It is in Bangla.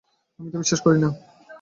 আমি তা বিশ্বাস করি না।